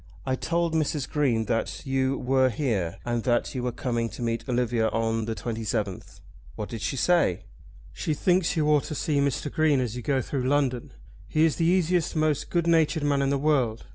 "I told Mrs. Green that you were here, and that you were coming to meet Olivia on the 27th." "What did she say?" "She thinks you ought to see Mr. Green as you go through London. He is the easiest, most good natured man in the world.